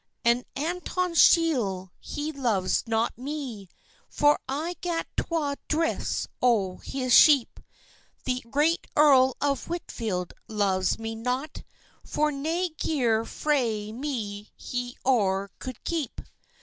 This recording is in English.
"And Anton Shiel he loves not me, For I gat twa drifts o his sheep; The great Earl of Whitfield loves me not, For nae gear frae me he e'er could keep.